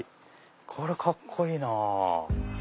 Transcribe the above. これカッコいいなぁ。